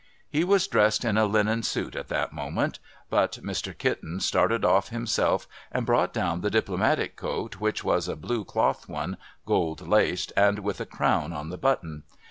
He was dressed in a linen suit at that moment ; but, Mr. Kitten 15:! TKRILS OF CERTAIN ENGLISH PRISONERS started off himself and brought down the Diplomatic coat, which was a blue cloth one, gold laced, and with a crown on the button.